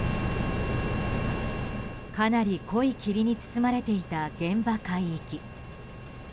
かなり濃い霧に包まれていた現場海域。